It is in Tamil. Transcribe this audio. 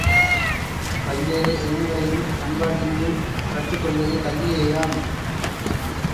பல்வேறு திறன்களையும் பண்பாட்டினையும் கற்றுக் கொள்வதும் கல்வியேயாம்!